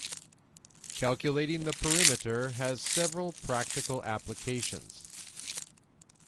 Calculating the perimeter has several practical applications.